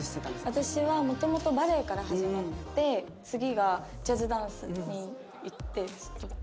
私は元々バレエから始まって次がジャズダンスにいってずっと。